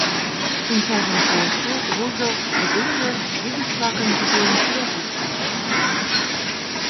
Шинчажым почо, ужо: кыдежыш, чывигыж-влакым вӱден, чыве пурыш.